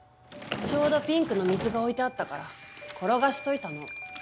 ちょうどピンクの水が置いてあったから転がしといたの。